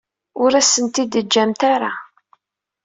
Ur asent-t-id-teǧǧamt ara.